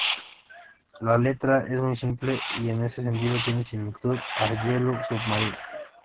La letra es muy simple y en ese sentido tiene similitud a "Yellow Submarine".